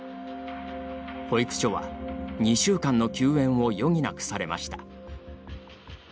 保育所は、２週間の休園を余儀なくされました。